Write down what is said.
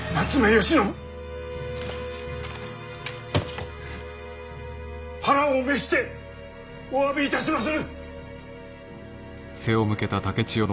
吉信腹を召してお詫びいたしまする！